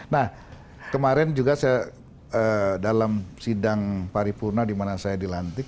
nah kemarin juga saya dalam sidang paripurna di mana saya dilantik